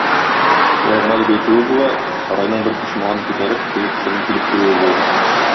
Шулай гына дип әйтүе була, сарайның бер почмагын күтәреп, теге кешенең килеп керүе була.